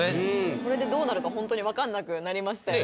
これでどうなるかホントに分かんなくなりましたよね